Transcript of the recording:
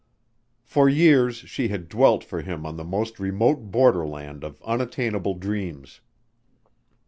For years she had dwelt for him on the most remote borderland of unattainable dreams.